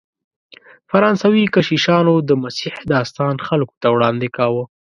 فرانسوي کشیشانو د مسیح داستان خلکو ته وړاندې کاوه.